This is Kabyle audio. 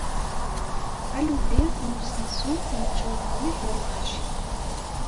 Alubi n usensu yeččuṛ mliḥ d lɣaci.